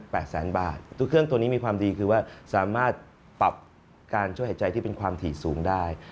ก่อกาลของเครื่องมีความดีคือสามารถปรับปรับการช่วยหายใจที่เป็นความถี่สูงได้